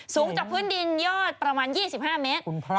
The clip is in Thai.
สูงจากพื้นดินยอดประมาณ๒๕เมตร